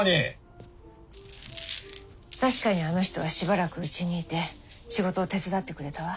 確かにあの人はしばらくうちにいて仕事を手伝ってくれたわ。